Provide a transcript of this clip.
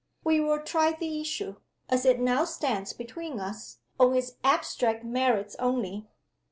We will try the issue, as it now stands between us, on its abstract merits only.